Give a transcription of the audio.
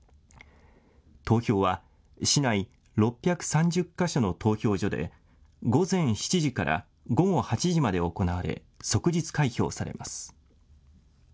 投票は市内６３０か所の投票所で、午前７時から午後８時まで行われ、即日開票されます。